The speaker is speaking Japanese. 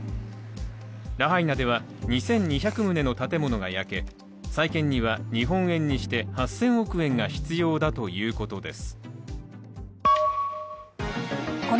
ラハイナでは２２００棟の建物が焼け再建には、日本円にして８０００億円が必要だということです。